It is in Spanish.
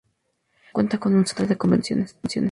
Además cuenta con un centro de convenciones.